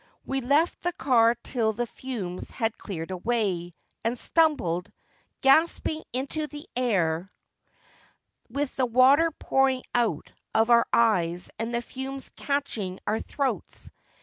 We left the car till the fumes had cleared away, and stumbled, gasping into the air, with the water pouring out of our eyes and the fumes catching our throats.